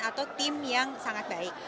atau tim yang sangat baik